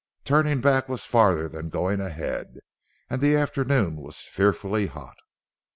Turning back was farther than going ahead, and the afternoon was fearfully hot.